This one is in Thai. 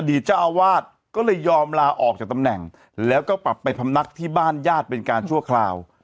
เจ้าอาวาสก็เลยยอมลาออกจากตำแหน่งแล้วก็ปรับไปพำนักที่บ้านญาติเป็นการชั่วคราว